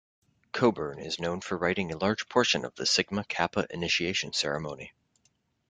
Coburn is known for writing a large portion of the Sigma Kappa initiation ceremony.